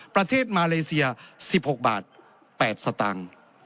ประเทศมาเลเซีย๑๖บาท๘สตางค์